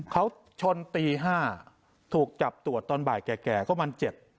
เขาชนตีห้าถูกจับตรวจตอนบ่ายแก่ก็มันเจ็บ